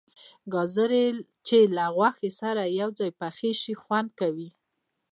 گازرې چې له غوښې سره یو ځای پخې شي خوند کوي.